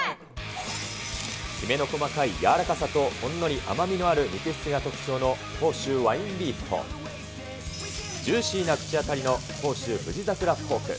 きめの細かいやわらかさとほんのり甘みのある肉質が特徴の甲州ワインビーフと、ジューシーな口当たりの甲州富士桜ポーク。